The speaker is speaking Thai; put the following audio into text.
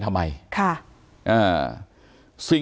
ขอบคุณมากครับขอบคุณมากครับ